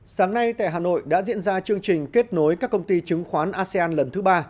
sáng nay tại hà nội đã diễn ra chương trình kết nối các công ty chứng khoán asean lần thứ ba